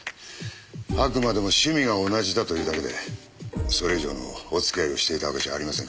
あくまでも趣味が同じだというだけでそれ以上のお付き合いをしていたわけじゃありませんから。